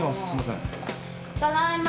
ただいま。